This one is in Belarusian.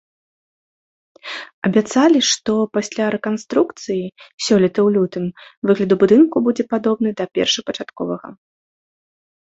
Абяцалі, што пасля рэканструкцыі сёлета ў лютым выгляд будынку будзе падобны да першапачатковага.